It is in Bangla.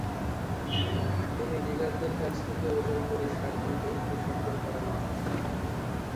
তিনি ডিলারদের কাছ থেকে ওজন করে সার কিনতে কৃষকদের পরামর্শ দিয়েছেন।